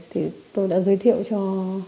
thì tôi đã giới thiệu cho